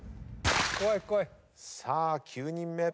さあ９人目。